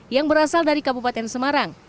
yang berasal dari kabupaten semarang